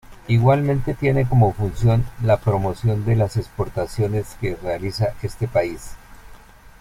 Igualmente tiene como función la promoción de las exportaciones que realiza este país.